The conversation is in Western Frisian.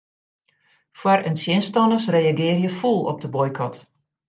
Foar- en tsjinstanners reagearje fûl op de boykot.